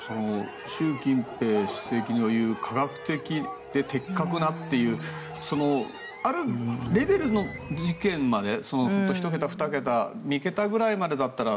習近平主席の言う科学的で的確なというあるレベルの時点まで１桁、２桁３桁ぐらいまでだったら